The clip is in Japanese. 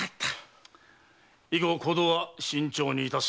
以後行動は慎重にいたす。